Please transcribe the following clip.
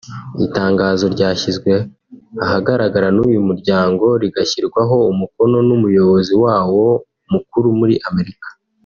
itangazo ryashyizwe ahagaragara n’uyu muryango rigashyirwaho umukono n’umuyobozi wawo mukuru muri Amerika